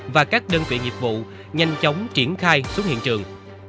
và các đơn vị nghiệp vụ nhanh chóng triển khai xuống hiện trường